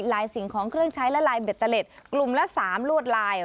สิ่งของเครื่องใช้และลายเบตเตอร์เล็ตกลุ่มละ๓ลวดลาย